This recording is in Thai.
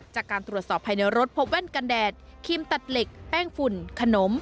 จากการตรวจสอบภายในรถพบแว่นกันแดดครีมตัดเหล็กแป้งฝุ่นขนม